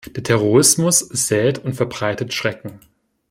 Der Terrorismus sät und verbreitet Schrecken.